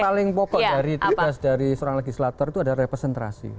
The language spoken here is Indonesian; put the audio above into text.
jadi fungsi dari seorang legislator itu ada representasi